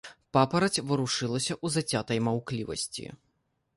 Папараць варушылася ў зацятай маўклівасці.